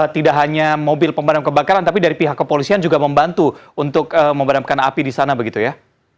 tidak hanya mobil pemadam kebakaran tapi dari pihak kepolisian juga membantu untuk memadamkan api di sana begitu ya